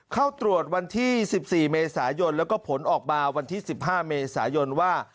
เข้าตรวจวันที่๑๔เมษายนแล้วก็ผลออกมาวันที่๑๕เมษายนว่า